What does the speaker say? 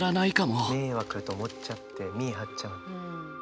迷惑と思っちゃって見え張っちゃうんだ。